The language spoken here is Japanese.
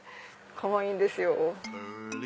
かわいいんですよ。